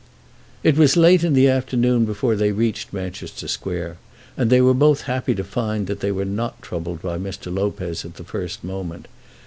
It was late in the afternoon before they reached Manchester Square, and they were both happy to find that they were not troubled by Mr. Lopez at the first moment.